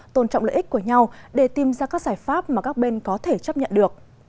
tôn trọng lợi ích của nhau để tìm ra các giải pháp mà các bên có thể chấp nhận được